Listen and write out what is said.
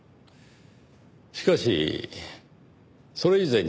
しかしそれ以前に。